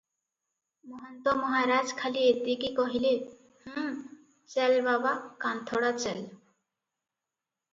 ମହନ୍ତ ମହାରାଜ ଖାଲି ଏତିକି କହିଲେ, "ହୁଁ - ଚେଲ୍ ବାବା କାନ୍ଥଡ଼ା ଚେଲ୍ ।"